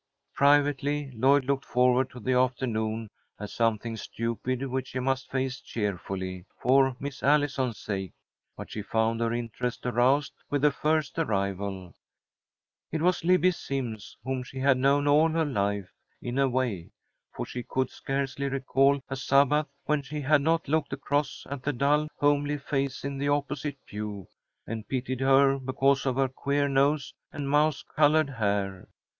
Privately, Lloyd looked forward to the afternoon as something stupid which she must face cheerfully for Miss Allison's sake, but she found her interest aroused with the first arrival. It was Libbie Simms, whom she had known all her life, in a way, for she could scarcely recall a Sabbath when she had not looked across at the dull, homely face in the opposite pew, and pitied her because of her queer nose and mouse coloured hair.